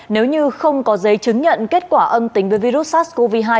nếu như không có giấy chứng nhận kết quả âm tính với virus sars cov hai